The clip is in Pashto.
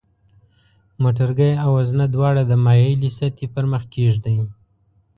موټرګی او وزنه دواړه د مایلې سطحې پر مخ کیږدئ.